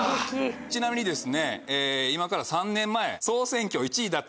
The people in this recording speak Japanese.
ちなみに今から３年前。